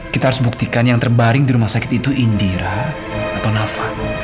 kita harus buktikan yang terbaring di rumah sakit itu indira atau nafa